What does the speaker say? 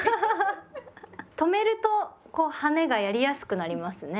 止めると「はね」がやりやすくなりますね。